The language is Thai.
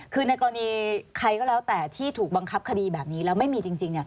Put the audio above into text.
คือในกรณีใครก็แล้วแต่ที่ถูกบังคับคดีแบบนี้แล้วไม่มีจริง